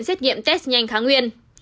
xét nghiệm tết nhanh kháng nguyên